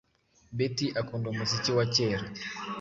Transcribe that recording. Betty akunda umuziki wa kera.